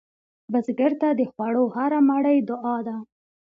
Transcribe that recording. بزګر ته د خوړو هره مړۍ دعا ده